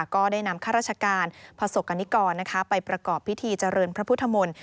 ก็ได้นำข้าราชการประสบกรณิกรไปประกอบพิธีเจริญพระพุทธมนตร์